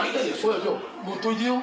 持っといてよ。